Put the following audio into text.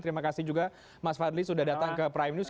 terima kasih juga mas fadli sudah datang ke prime news